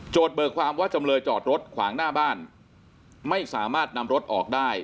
เบิกความว่าจำเลยจอดรถขวางหน้าบ้านไม่สามารถนำรถออกได้